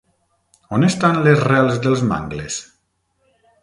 On estan les rels dels mangles?